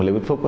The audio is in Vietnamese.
lê viết phúc